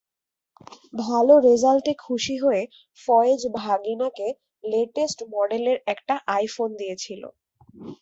ভালো রেজাল্টে খুশি হয়ে ফয়েজ ভাগিনাকে লেটেস্ট মডেলের একটা আইফোন দিয়েছিল।